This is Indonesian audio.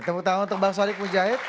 tepuk tangan untuk pak soriq mujahid